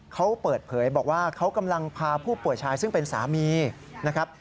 เขาเปิดเผยบอกว่าเขากำลังพาผู้ป่วยชายซึ่งเป็นสามีนะครับ